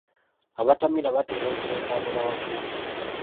Abatamiira batera okuleekaanira waggulu.